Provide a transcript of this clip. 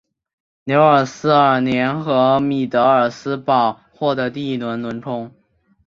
纽卡斯尔联和米德尔斯堡获得第一轮轮空。